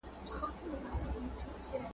ما د الوداع په شپه د ګلو غېږ ته واستوه ..